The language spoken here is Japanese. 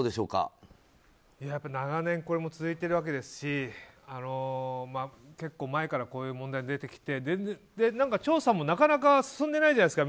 長年、続いているわけですし結構前からこういう問題が出てきて調査も、なかなか進んでないじゃないですか。